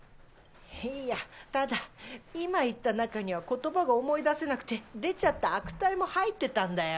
⁉いやただ今言った中には言葉が思い出せなくて出ちゃった悪態も入ってたんだよ。